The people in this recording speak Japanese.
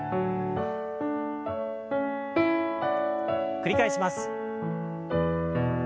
繰り返します。